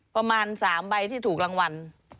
ประมาณ๓ใบที่ถูกรางวัล